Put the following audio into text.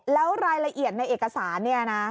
แล้วรายละเอียดในเอกสาร